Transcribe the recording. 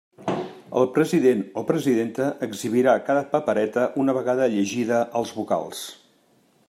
El president o presidenta exhibirà cada papereta una vegada llegida als vocals.